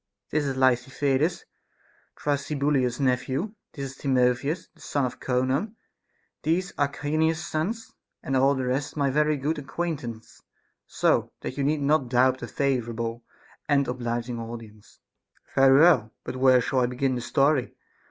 This is Lysithides, Thrasybulus's nephew ; this Timotheus, the son of Conon ; these Archinus's sons ; and all the rest my very good acquaint ance, so that you need not doubt a favorable and obliging audience. Caph. Very well ; but where shall I begin the story